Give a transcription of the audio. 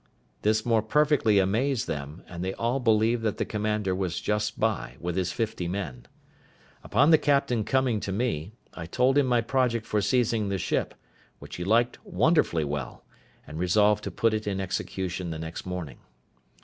This more perfectly amazed them, and they all believed that the commander was just by, with his fifty men. Upon the captain coming to me, I told him my project for seizing the ship, which he liked wonderfully well, and resolved to put it in execution the next morning.